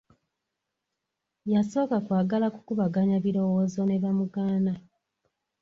Yasooka kwagala kukubaganya birowoozo ne bamugaana.